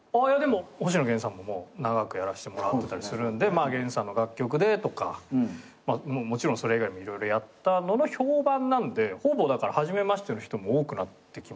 星野源さんももう長くやらせてもらってたりするんでまあ源さんの楽曲でとかもちろんそれ以外も色々やったのの評判なんでほぼだから初めましての人も多くなってきましたし。